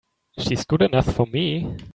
She's good enough for me!